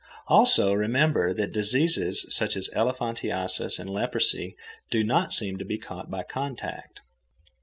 Also, remember that diseases such as elephantiasis and leprosy do not seem to be caught by contact.